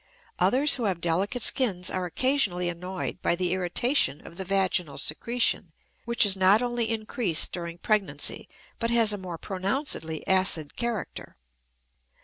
Others who have delicate skins are occasionally annoyed by the irritation of the vaginal secretion, which is not only increased during pregnancy but has a more pronouncedly acid character.